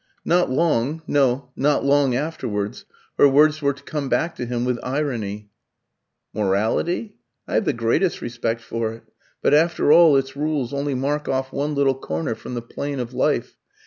Not long no, not long afterwards, her words were to come back to him with irony. "Morality? I've the greatest respect for it. But after all, its rules only mark off one little corner from the plain of life.